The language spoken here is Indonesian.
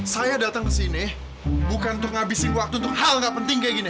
saya datang ke sini bukan untuk ngabisin waktu untuk hal gak penting kayak gini